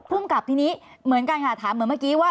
ภูมิกับทีนี้เหมือนกันค่ะถามเหมือนเมื่อกี้ว่า